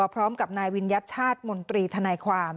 พร้อมกับนายวิญญัติชาติมนตรีทนายความ